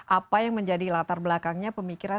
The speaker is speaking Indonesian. apa yang menjadi latar belakangnya pemikiran